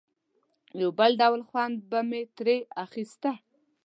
یو بل ډول خوند به مې ترې اخیسته.